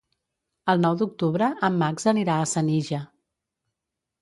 El nou d'octubre en Max anirà a Senija.